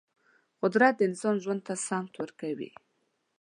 قدرت د انسان ژوند ته سمت ورکوي.